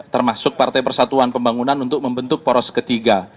termasuk partai persatuan pembangunan untuk membentuk poros ketiga